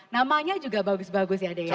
namanya juga bagus bagus ya adi ya